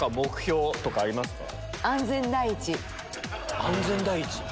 安全第一。